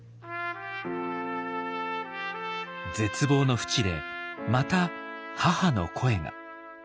絶望のふちでまた母の声が。